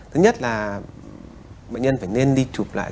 thứ nhất là bệnh nhân phải nên đi chụp lại